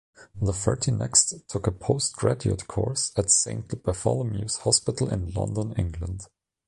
Lafferty next took a post-graduate course at Saint Bartholomew's Hospital in London, England.